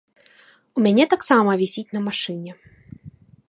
У мяне таксама вісіць на машыне.